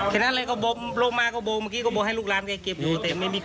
เค้าบอกวกมาก็บอกบอกให้ลูกล้านเก็บไว้